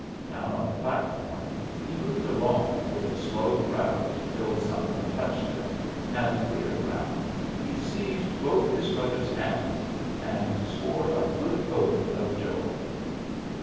Down on the platform he moved along with the slow crowd till some one touched him, and, wheeling round, he seized both his brother's hands and swore a good oath of joy.